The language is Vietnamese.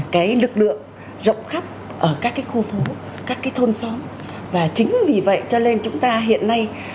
cái lực lượng công an xã chứng quy